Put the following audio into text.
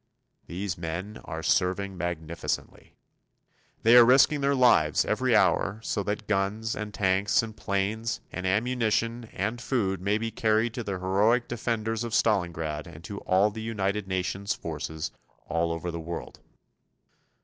These men are serving magnificently. They are risking their lives every hour so that guns and tanks and planes and ammunition and food may be carried to the heroic defenders of Stalingrad and to all the United Nations' forces all over the world.